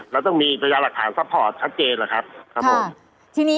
แล้วต้องมีประหลาดหลักฐานซัพพอร์ตทักเจน